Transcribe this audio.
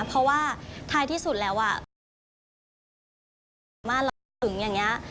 เพราะว่าท้ายที่สุดแล้วอะ